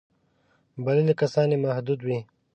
بللي کسان یې محدود وي.